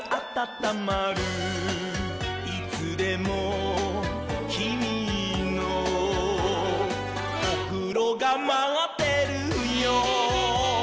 「いつでもきみのおふろがまってるよ」